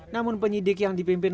namun penyidik yang dipimpin